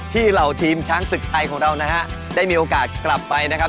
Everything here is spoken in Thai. เหล่าทีมช้างศึกไทยของเรานะฮะได้มีโอกาสกลับไปนะครับ